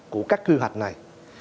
của các quy hoạch này